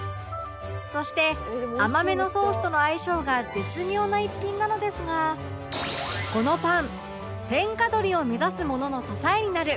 そして甘めのソースとの相性が絶妙な逸品なのですがこのパン天下取りを目指すものの支えになる